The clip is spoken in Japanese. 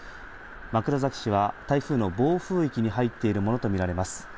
枕崎市は台風の暴風域に入っているものと見られます。